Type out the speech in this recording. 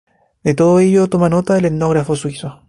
De todo ello toma nota el etnógrafo suizo.